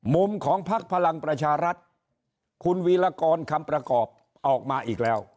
มุมของพักพลังประชารัฐคุณวีรกรคำประกอบออกมาอีกแล้ว